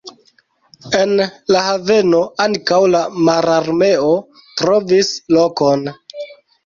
En la haveno ankaŭ la Mararmeo trovis lokon.